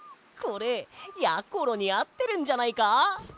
これやころにあってるんじゃないか？